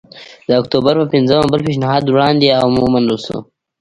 د اکتوبر په پنځمه بل پېشنهاد وړاندې او ومنل شو